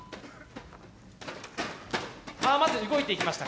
まず動いていきました